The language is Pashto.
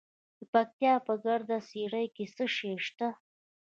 د پکتیا په ګرده څیړۍ کې څه شی شته؟